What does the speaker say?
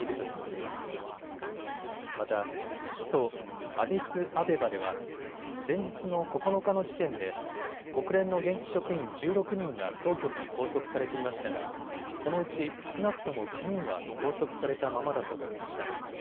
またまた首都アディスアベバでは、前日の９日の時点で国連の現地職員１６人が当局に拘束されていましたがこのうち少なくとも９人は拘束されたままだと述べました。